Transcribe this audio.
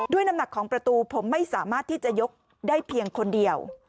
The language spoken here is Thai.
น้ำหนักของประตูผมไม่สามารถที่จะยกได้เพียงคนเดียว